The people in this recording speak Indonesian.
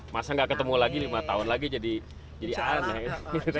masa nggak ketemu lagi lima tahun lagi jadi aneh